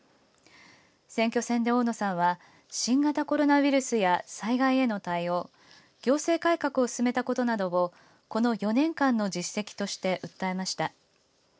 選挙戦で大野さんは新型コロナウイルスや災害への対応行政改革を進めたことをこの４年間の実績として訴えました。